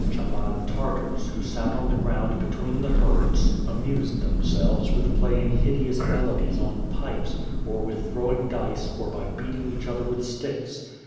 Ohaban Tartars, who sat upon the ground between the herds amused themselves with playing hideous melodies on pipes, or with throwing dice, or by beating each other with sticks.